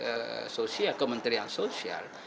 itu bermainnya menteri sosial kementerian sosial